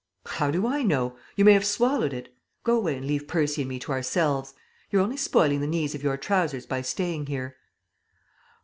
"How do I know? You may have swallowed it. Go away and leave Percy and me to ourselves. You're only spoiling the knees of your trousers by staying here."